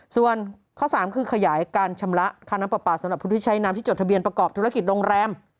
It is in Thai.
ส่วนข้อ๓คือขยายการชำระค่าน้ำปลาสำหรับผู้ที่ใช้น้ำที่จดทะเบียนประกอบธุรกิจโรงแรม